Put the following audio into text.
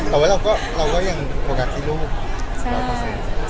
แต่ว่าเราก็ยังโฟกัสที่ลูก